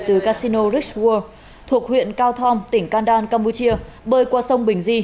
từ casino rich world thuộc huyện cao thom tỉnh kandan campuchia bơi qua sông bình di